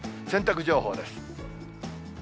洗濯情報です。